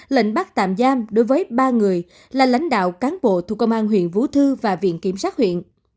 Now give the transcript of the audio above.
lệnh bắt tạm giam đối với ba người là lãnh đạo cán bộ thuộc công an huyện vũ thư và viện kiểm sát huyện